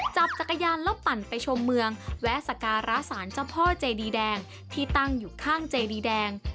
จับจักรยานแล้วปั่นไปชมเมืองแวะสการะสารเจ้าพ่อเจดีแดงที่ตั้งอยู่ข้างเจดีแดง